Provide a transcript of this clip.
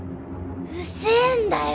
うぜえんだよ！